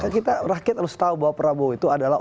kita rakyat harus tahu bahwa prabowo itu adalah